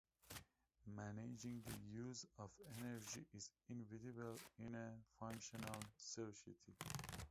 Managing the use of energy is inevitable in any functional society.